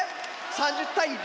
３０対０。